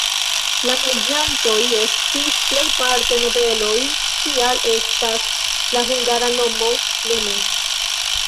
La loĝantoj estis plejparte nobeloj, tial estas la hungara nomo "nemes".